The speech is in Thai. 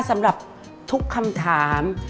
สำหรับทุกคำถาม